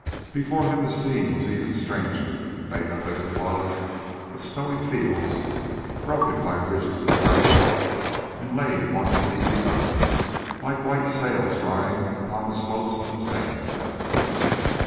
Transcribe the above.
Before him the scene was even stranger, made up as it was of snowy fields broken by ridges of black rock, and laid one beneath the other like white sails drying upon the slopes of a sandhill.